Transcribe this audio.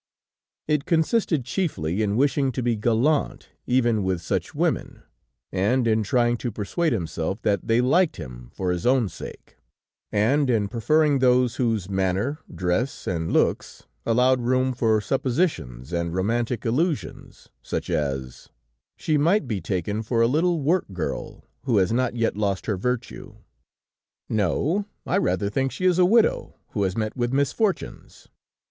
It consisted chiefly in wishing to be gallant even with such women, and in trying to persuade himself that they liked him for his own sake, and in preferring those whose manner, dress and looks allowed room for suppositions and romantic illusions, such as: "She might be taken for a little work girl who has not yet lost her virtue." "No, I rather think she is a widow, who has met with misfortunes."